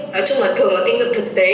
nói chung là thường là kinh nghiệm thực tế